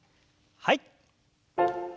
はい。